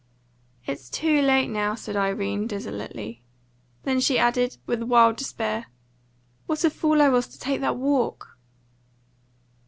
"It's too late now," said Irene desolately. Then she added, with a wilder despair: "What a fool I was to take that walk!"